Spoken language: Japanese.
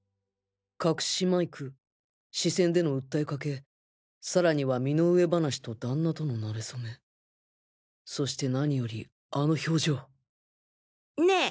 隠しマイク視線での訴えかけさらには身の上話と旦那とのなれそめそして何よりあの表情ねえ